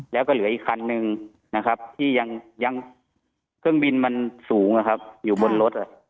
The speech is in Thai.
แล้วก็เหลืออีกคันนึงนะครับที่ยังเครื่องบินมันสูงนะครับอยู่บนรถ